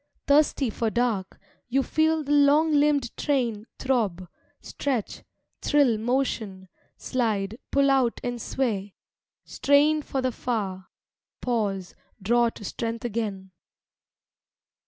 Thirsty for dark, you feel the long limbed train Throb, stretch, thrill motion, slide, pull out and sway, Strain for the far, pause, draw to strength again....